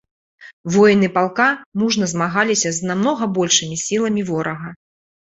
Воіны палка мужна змагаліся з намнога большымі сіламі ворага.